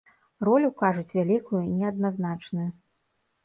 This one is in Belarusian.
Ролю, кажуць, вялікую і неадназначную.